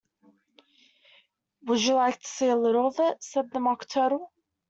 ‘Would you like to see a little of it?’ said the Mock Turtle.